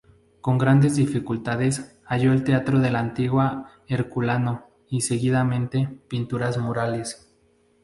Con grandes dificultades halló el teatro de la antigua Herculano y, seguidamente, pinturas murales.